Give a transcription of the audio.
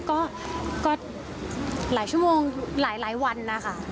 ก็หลายชั่วโมงหลายวันนะคะ